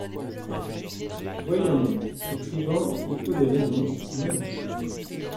Voyons ! écrivant "Il faut des raisons…" non.